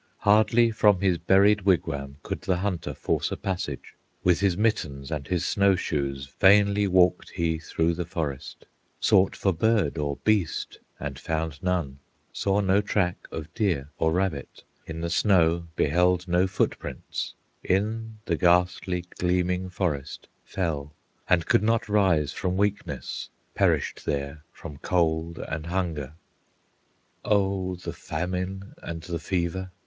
Hardly from his buried wigwam Could the hunter force a passage; With his mittens and his snow shoes Vainly walked he through the forest, Sought for bird or beast and found none, Saw no track of deer or rabbit, In the snow beheld no footprints, In the ghastly, gleaming forest Fell, and could not rise from weakness, Perished there from cold and hunger. Oh the famine and the fever!